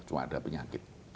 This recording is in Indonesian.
cuma ada penyakit